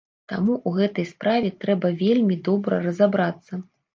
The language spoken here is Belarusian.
Таму ў гэтай справе трэба вельмі добра разабрацца.